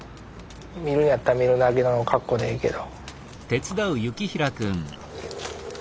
見るんやったら見るだけの格好でええけど。